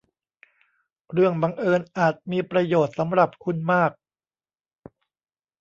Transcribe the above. เรื่องบังเอิญอาจมีประโยชน์สำหรับคุณมาก